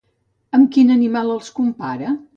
Amb quin animal els compara?